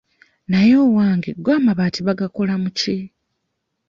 Naye owange go amabaati bagakola mu ki?